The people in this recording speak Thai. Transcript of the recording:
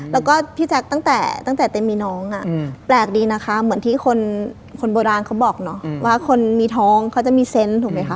แล้วก็พี่แจ๊คตั้งแต่ตั้งแต่เต็มมีน้องแปลกดีนะคะเหมือนที่คนโบราณเขาบอกเนาะว่าคนมีท้องเขาจะมีเซนต์ถูกไหมคะ